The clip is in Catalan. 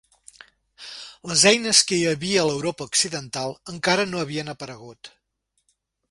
Les eines que hi havia a l'Europa occidental encara no havien aparegut.